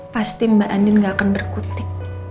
pasti mbak andin gak akan berkutik